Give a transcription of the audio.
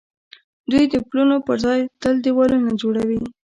دوی د پلونو پر ځای تل دېوالونه جوړوي.